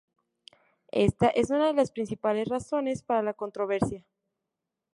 Esta es una de las principales razones para la controversia.